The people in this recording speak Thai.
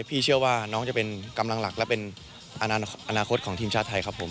พี่เชื่อว่าน้องจะเป็นกำลังหลักและเป็นอนาคตของทีมชาติไทยครับผม